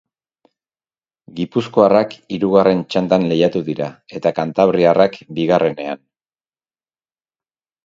Gipuzkoarrak hirugarren txandan lehiatu dira eta kantabriarrak bigarrenean.